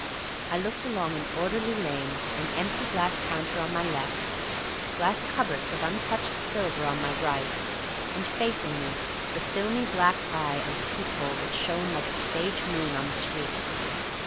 I looked along an orderly lane, an empty glass counter on my left, glass cupboards of untouched silver on my right, and facing me the filmy black eye of the peep hole that shone like a stage moon on the street.